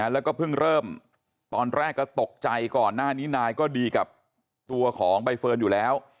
แล้วก็เพิ่งเริ่มตอนแรกก็ตกใจก่อนหน้านี้นายก็ดีกับตัวของใบเฟิร์นอยู่แล้ว